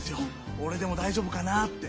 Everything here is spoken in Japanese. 俺でも大丈夫かなあって。